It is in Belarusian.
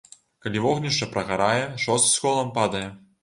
Калі вогнішча прагарае, шост з колам падае.